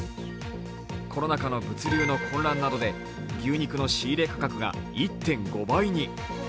コロナ禍の物流の混乱などで牛肉の仕入れ価格が１．５倍に。